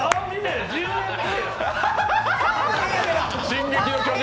進撃の巨人！